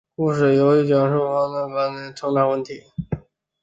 故事内容讲述民风保守时代青少年的成长问题。